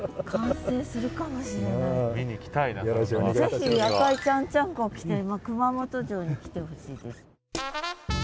ぜひ赤いちゃんちゃんこ着て熊本城に来てほしいです。